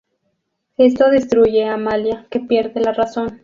Esto destruye a Amalia, que pierde la razón.